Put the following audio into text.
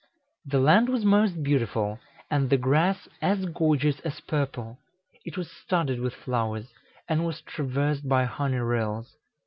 "The land was most beautiful, and the grass as gorgeous as purple; it was studded with flowers, and was traversed by honey rills.